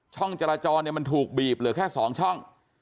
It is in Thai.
จราจรมันถูกบีบเหลือแค่๒ช่อง